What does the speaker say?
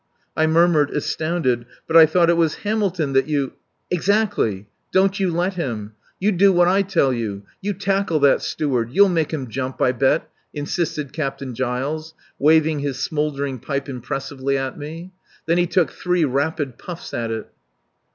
I murmured, astounded: "But I thought it was Hamilton that you ..." "Exactly. Don't you let him. You do what I tell you. You tackle that Steward. You'll make him jump, I bet," insisted Captain Giles, waving his smouldering pipe impressively at me. Then he took three rapid puffs at it.